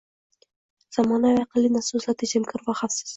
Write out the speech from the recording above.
Zamonaviy “Aqlli” nasoslar – tejamkor va xavfsiz